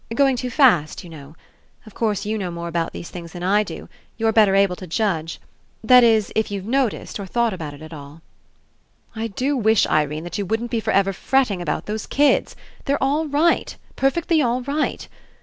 Going too fast, you know. Of course, you know more about these things than I do. You're better able to judge. That is, if you've noticed or thought about it at all." *'I do wish, Irene, you wouldn't be for ever fretting about those kids. They're all right. Perfectly all right.